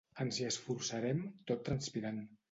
Ens hi esforçarem, tot transpirant.